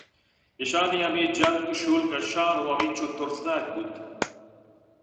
ایشانی ہمے جنگ شُول کشّان ءَ ہمینچو تُرسناک بُوت